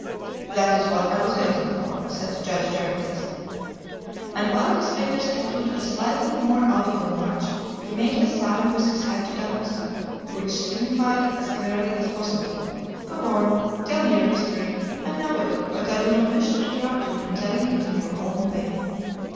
"That is what I was waiting for," said Judge Jarriquez. And while his fingers tattooed a slightly more audible march, he made a sign with his head to Dacosta, which signified as clearly as possible, "Go on! Tell me your history. I know it, but I do not wish to interrupt you in telling it in your own way."